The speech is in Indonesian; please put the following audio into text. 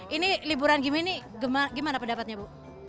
ini liburan gini ini gimana pendapatnya bu